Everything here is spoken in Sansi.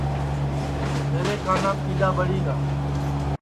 میرے کانام ٹیڈؔا ٻڑی گا